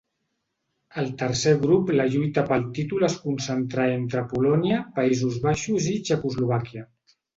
Al tercer grup la lluita pel títol es concentrà entre Polònia, Països Baixos i Txecoslovàquia.